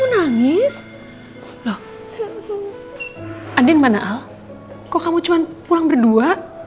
jangan lupa berdoa